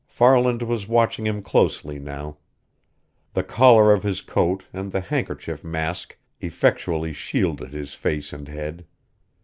Farland was watching him closely now. The collar of his coat and the handkerchief mask effectually shielded his face and head.